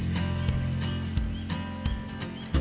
ya bagus kagum gitu ya